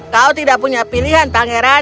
kau tidak punya pilihan pangeran